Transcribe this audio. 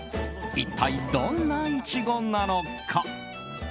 一体どんなイチゴなのか。